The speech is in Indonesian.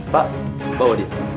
pak bawa dia